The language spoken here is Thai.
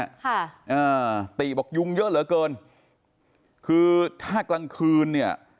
ค่ะอ่าติบอกยุงเยอะเหลือเกินคือถ้ากลางคืนเนี่ย